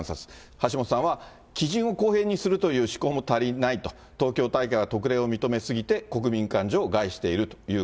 橋下さんは、基準を公平にするという思考も足りないと、東京大会は特例を認め過ぎて国民感情を害しているという。